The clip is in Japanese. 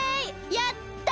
やった！